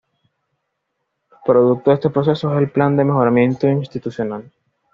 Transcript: Producto de este proceso es el Plan de Mejoramiento Institucional.